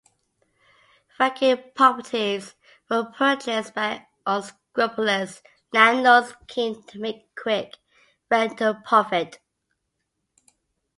Vacant properties were purchased by unscrupulous landlords keen to make quick rental profit.